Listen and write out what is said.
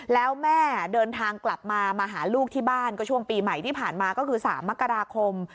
แล้วแม่เดินทางกลับมามาหาลูกที่บ้านก็ช่วงปีใหม่ที่ผ่านมาก็คือ๓มกราคม